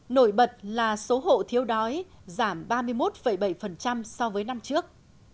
nổi bật là số hộ thiếu đói giảm ba mươi một bảy so với năm trước